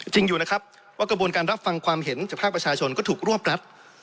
จริงอยู่นะครับว่ากระบวนการรับฟังความเห็นจากภาคประชาชนก็ถูกรวบรัฐ